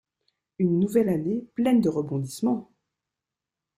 Une nouvelle année pleine de rebondissement!